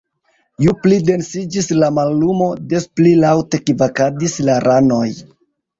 Ju pli densiĝis la mallumo, des pli laŭte kvakadis la ranoj.